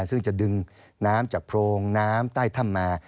ซึ่งจะดึงน้ำจากโพรงน้ำใต้ถ้ำมา